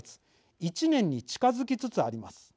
１年に近づきつつあります。